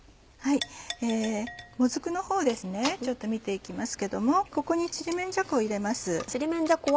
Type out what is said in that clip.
もずくのほうですねちょっと見て行きますけどもここにちりめんじゃこを入れます。